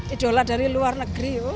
idolanya dari luar negeri